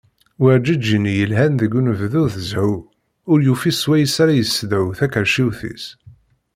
Werǧeǧǧi-nni yelhan deg unebdu d zzhu, ur yufi s wayes ara yessedhu takerciwt-is.